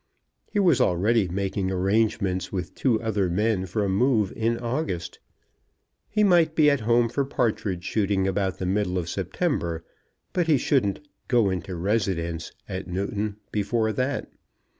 He was already making arrangements with two other men for a move in August. He might be at home for partridge shooting about the middle of September, but he shouldn't "go into residence" at Newton before that.